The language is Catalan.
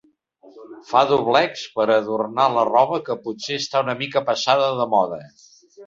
Fa doblecs per adornar la roba que potser està una mica passada de moda.